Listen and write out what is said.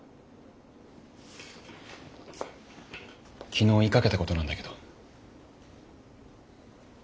昨日言いかけたことなんだけど。